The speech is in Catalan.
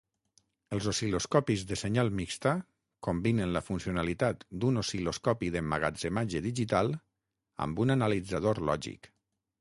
Els oscil·loscopis de senyal mixta combinen la funcionalitat d'un oscil·loscopi d'emmagatzematge digital amb un analitzador lògic.